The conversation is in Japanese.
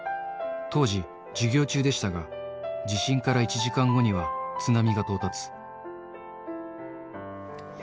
当時、授業中でしたが、地震から１時間後には津波が到達。